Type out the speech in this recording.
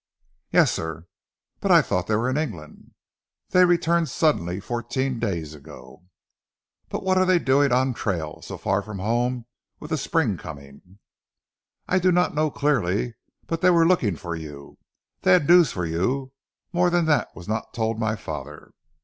"Yes, sir!" "But I thought they were in England?" "They returned suddenly, fourteen days ago!" "But what were they doing on trail, so far from home, with the spring coming?" "I do not know clearly. But they were looking for you. They had news for you. More than that was not told my father."